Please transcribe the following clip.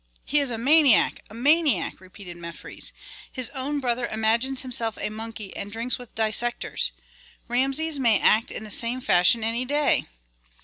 "He is a maniac! a maniac!" repeated Mefres. "His own brother imagines himself a monkey, and drinks with dissectors. Rameses may act in the same fashion any day."